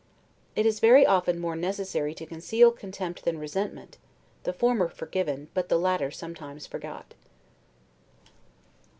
It is very often more necessary to conceal contempt than resentment, the former forgiven, but the latter sometimes forgot.